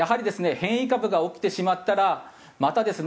変異株が起きてしまったらまたですね